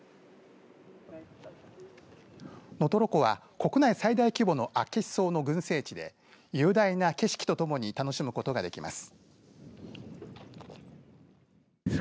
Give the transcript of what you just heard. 能取湖は国内最大規模のアッケシソウの群生地で雄大な景色とともに楽しむことができます。